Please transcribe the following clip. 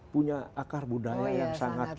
punya akar budaya yang sangat